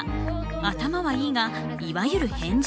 頭はいいがいわゆる変人。